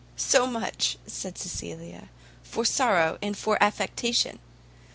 "So much," said Cecilia, "for sorrow and for affectation.